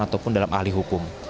ataupun dalam ahli hukum